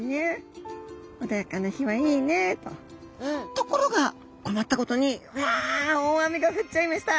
ところが困ったことにうわ大雨が降っちゃいました。